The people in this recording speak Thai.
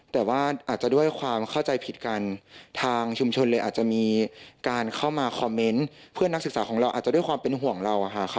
แต่ว่าอาจจะด้วยความเข้าใจผิดกันทางชุมชนเลยอาจจะมีการเข้ามาคอมเมนต์เพื่อนนักศึกษาของเราอาจจะด้วยความเป็นห่วงเรา